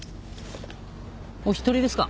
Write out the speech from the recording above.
お一人ですか？